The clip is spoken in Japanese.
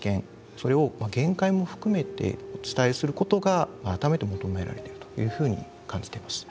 それを限界も含めてお伝えすることが改めて求められてるというふうに感じています。